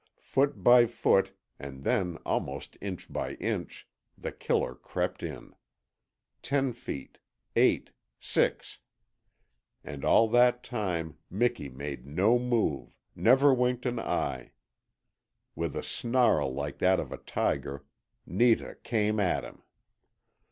Foot by foot, and then almost inch by inch, The Killer crept in. Ten feet, eight, six and all that time Miki made no move, never winked an eye. With a snarl like that of a tiger, Netah came at him.